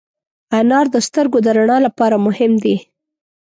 انار د سترګو د رڼا لپاره مهم دی.